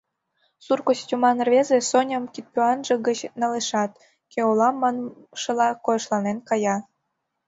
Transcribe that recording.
Сур костюман рвезе, Соням кидпӱанже гыч налешат, кӧ улам маншыла, койышланен кая.